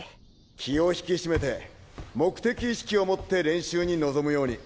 気を引き締めて目的意識を持って練習に臨むように。